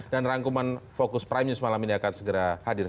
dan rangkuman fokus prime news malam ini akan segera hadir